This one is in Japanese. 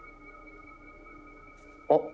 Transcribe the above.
あっ！